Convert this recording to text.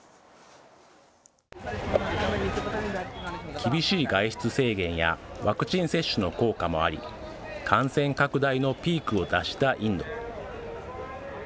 厳しい外出制限やワクチン接種の効果もあり、感染拡大のピークを脱したインド。